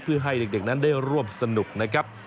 เพื่อให้เด็กนั้นได้ร่วมสนุกนะครับ